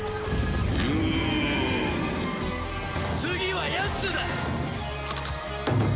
次はやつだ！